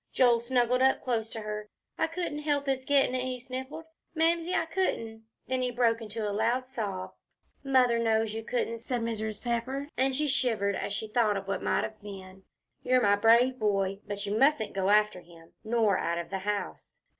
Joel snuggled up close to her. "I couldn't help his gettin' it," he sniffled, "Mamsie, I couldn't." Then he broke out into a loud sob. "Mother knows you couldn't," said Mrs. Pepper, and she shivered as she thought of what might have been. "You're my brave boy. But you mustn't go after him, nor out of the house."